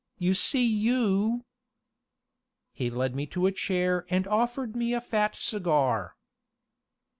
You see you " He led me to a chair and offered me a fat cigar.